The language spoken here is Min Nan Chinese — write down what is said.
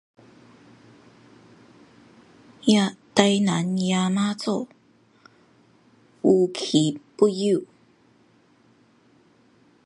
台南迎媽祖，無奇不有